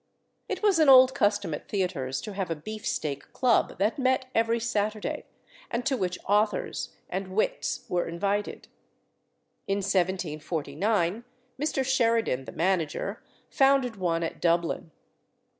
It was an old custom at theatres to have a Beef steak Club that met every Saturday, and to which authors and wits were invited. In 1749 Mr. Sheridan, the manager, founded one at Dublin.